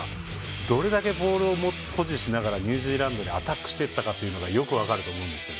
どれだけボールを保持しながらニュージーランドにアタックしていったかがよく分かると思うんです。